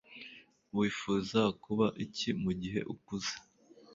Wifuza kuba iki mugihe ukuze